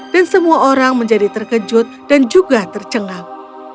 dan semua orang menjadi terkejut dan juga tercengam